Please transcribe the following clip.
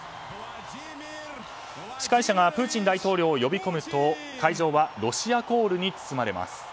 司会者がプーチン大統領を呼び込むと会場はロシアコールに包まれます。